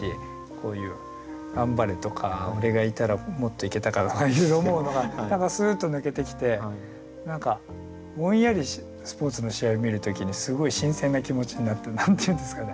こういう「頑張れ」とか「俺がいたらもっといけたか」とかいろいろ思うのがすっと抜けてきて何かぼんやりスポーツの試合を見る時にすごい新鮮な気持ちになって何て言うんですかね。